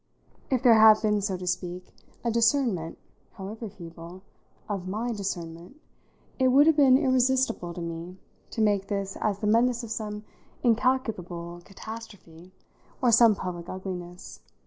If there had been, so to speak, a discernment, however feeble, of my discernment, it would have been irresistible to me to take this as the menace of some incalculable catastrophe or some public ugliness.